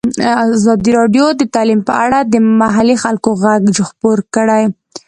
ازادي راډیو د تعلیم په اړه د محلي خلکو غږ خپور کړی.